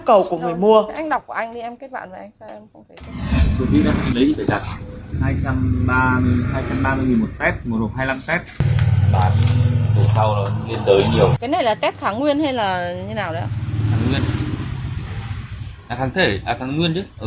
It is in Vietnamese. à kháng thể à kháng nguyên chứ